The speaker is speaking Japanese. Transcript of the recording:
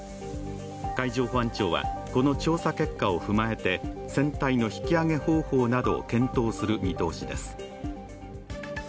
海上保安庁はこの調査結果を踏まえて船体の引き揚げ方法などを検討する見通しです。